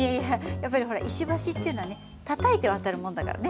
やっぱりほら石橋っていうのはねたたいて渡るもんだからね。